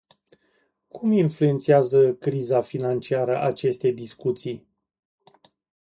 Cum influențează criza financiară aceste discuții?